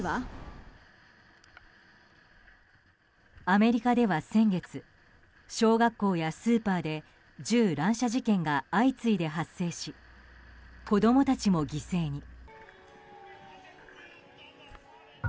アメリカでは先月小学校やスーパーで銃乱射事件が相次いで発生し子供たちも犠牲に。